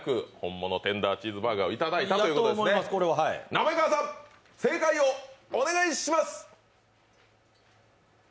滑川さん、正解をお願いします。